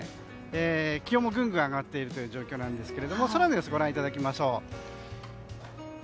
気温もぐんぐん上がっている状況なんですけど空の様子ご覧いただきましょう。